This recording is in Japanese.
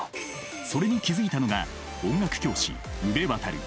それに気付いたのが音楽教師宇部渉。